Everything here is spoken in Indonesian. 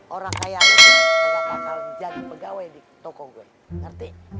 orang kaya bakal jadi pegawai di toko gue ngerti